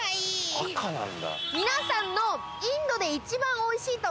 皆さんの。